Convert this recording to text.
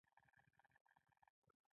د ګاونډي سپي په چمن کې ککړتیا کړې وي